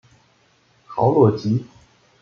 豪洛吉。